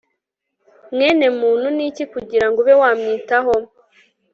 mwene muntu ni iki kugira ngo ube wamwitaho